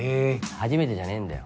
初めてじゃねぇんだよ。